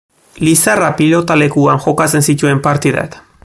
Lizarra Pilotalekuan jokatzen zituen partidak.